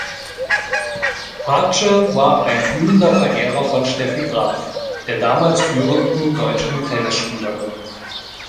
Parche war ein glühender Verehrer von Steffi Graf, der damals führenden deutschen Tennisspielerin.